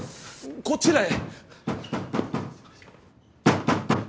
こちらへ！